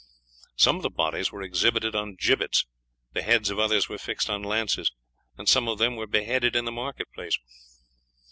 Some of the bodies were exhibited on gibbets, the heads of others were fixed on lances, and some of them were beheaded in the market place.